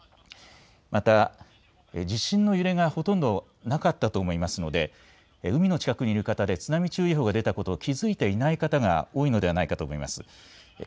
また地震の揺れがほとんどなかったと思いますので海の近くにいる方で津波注意報が出たことを気付いていない方が多いのではないかと思います。